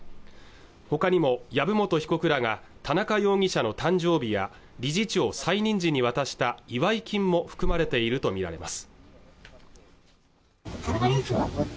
ほかにも籔本被告らが田中容疑者の誕生日や理事長再任時に渡した祝い金も含まれていると見られます